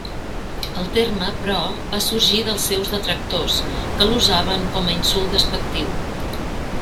El terme, però, va sorgir dels seus detractors, que l'usaven com a insult despectiu.